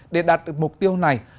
để đạt được mục tiêu này